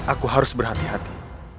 aku harus berhati hati